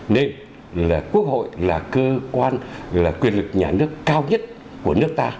nên là quốc hội là cơ quan là quyền lực nhà nước cao nhất của nước ta